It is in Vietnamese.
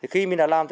khi mình đã làm